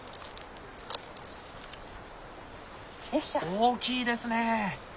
大きいですね！